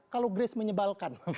kalau grace menyebalkan